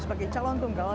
sebagai calon tunggal